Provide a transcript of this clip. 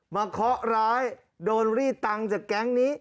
เคาะร้ายโดนรีดตังค์จากแก๊งนี้